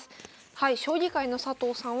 はい将棋界の佐藤さんは。